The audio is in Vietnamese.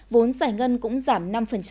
vốn giải ngân cũng giảm năm